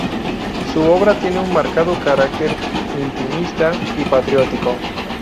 Su obra tiene un marcado carácter intimista y patriótico.